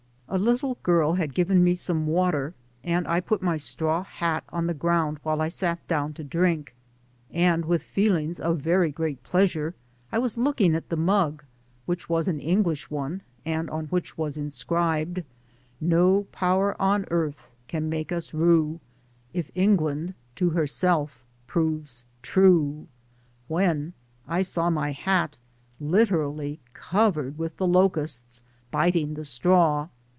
A little girl had given me some water, and I put my straw hat on the ground while I sat down to drink, and with feelings of very great pleasure I Digitized byGoogk THE PAMPAS, ^71 was looking at the mug, which was an English one, and on which was inscribed No power on Earth Can make us rue. If England to her Self proves true — when I saw my hat literally covered with locusts biting the straw.